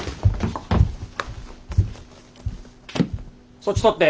そっち撮って。